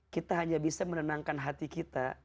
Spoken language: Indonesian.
kita hanya bisa menenangkan hati kita